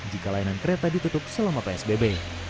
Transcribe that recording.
jika layanan kereta ditutup selama psbb